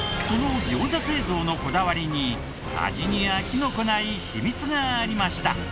その餃子製造のこだわりに味に飽きの来ない秘密がありました。